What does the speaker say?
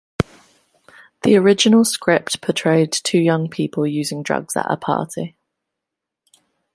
The original script portrayed two young people using drugs at a party.